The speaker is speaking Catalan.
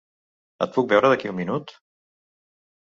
Et puc veure d'aquí un minut?